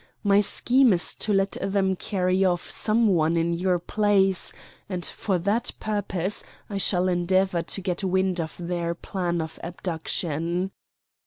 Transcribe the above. My scheme is to let them carry off some one in your place, and for that purpose I shall endeavor to get wind of their plan of abduction.